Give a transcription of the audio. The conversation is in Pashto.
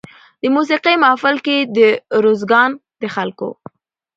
د موسېقۍ محفل کې د روزګان د خلکو